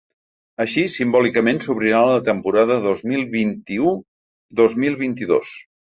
Així, simbòlicament, s’obrirà la temporada dos mil vint-i-u-dos mil vint-i-dos.